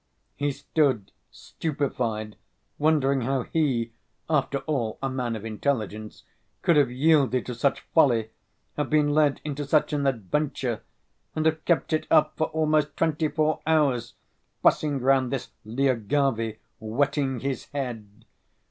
He stood, stupefied, wondering how he, after all a man of intelligence, could have yielded to such folly, have been led into such an adventure, and have kept it up for almost twenty‐four hours, fussing round this Lyagavy, wetting his head.